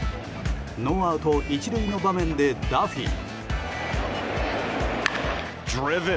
ノーアウト１塁の場面でダフィー。